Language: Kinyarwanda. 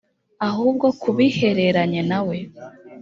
ahubwo ku bihereranye na we